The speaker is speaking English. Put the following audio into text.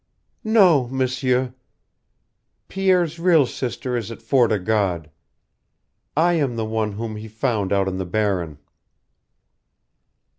"No, M'sieur. Pierre's real sister is at Fort o' God. I am the one whom he found out on the barren."